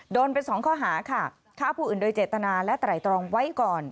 โดนไปสองข้อหาค่ะฆ่าผู้อื่นโดยเจตนาและไตรตรองไว้ก่อน